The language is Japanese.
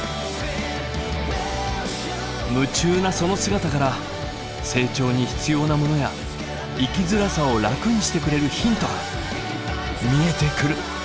夢中なその姿から成長に必要なものや生きづらさを楽にしてくれるヒントが見えてくる。